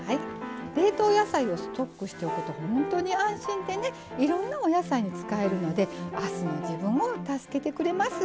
冷凍野菜をストックしておくとほんとに安心でねいろんなお野菜に使えるので明日の自分を助けてくれます。